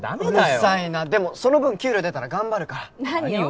うるさいなでもその分給料出たら頑張るから何を？